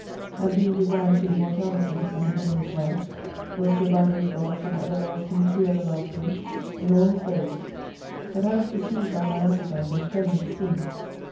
And being designed to immortality and an endless life, was to abide with God from everlasting to ever lasting in all His ways. But I was deceived by my appetite, and fell into Sin.